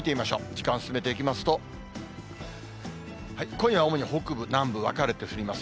時間を進めていきますと、今夜、主に北部、南部、分かれて降ります。